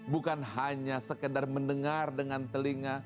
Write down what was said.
bukan hanya sekedar mendengar dengan telinga